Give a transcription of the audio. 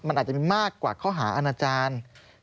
มันอาจจะมีมากกว่าข้อหาอาณาจารย์